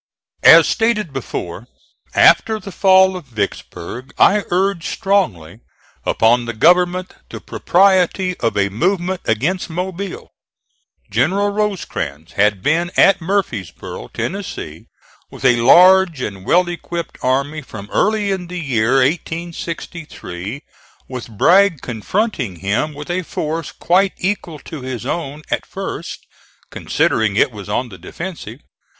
As stated before, after the fall of Vicksburg I urged strongly upon the government the propriety of a movement against Mobile. General Rosecrans had been at Murfreesboro', Tennessee, with a large and well equipped army from early in the year 1863, with Bragg confronting him with a force quite equal to his own at first, considering it was on the defensive.